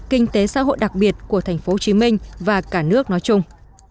kinh tế xã hội đặc biệt của tp hcm và cả nước nói chung